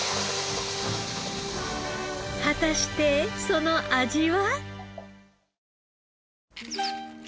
果たしてその味は？